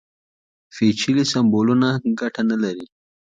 پېچلي سمبولونه ګټه نه لري.